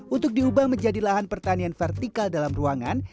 untuk diubah menjadi lahan pertanian vertikal dalam ruangan